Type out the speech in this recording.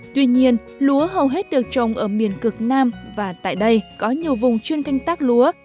tuy nhiên lúa hầu hết được trồng ở miền cực nam và tại đây có nhiều vùng chuyên canh tác lúa